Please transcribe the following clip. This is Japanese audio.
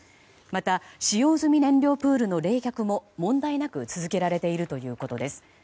また、使用済み燃料プールの冷却も問題なく続けられているということです。